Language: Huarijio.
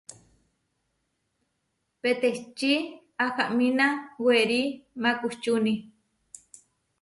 Peʼtečí ahamína werí maʼkučúni.